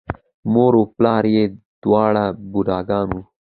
مور و پلار یې دواړه بوډاګان وو،